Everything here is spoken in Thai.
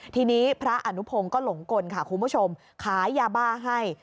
ทีนี้พระอนุพงศ์ก็หลงกลค่ะคุณผู้ชมขายยาบ้าให้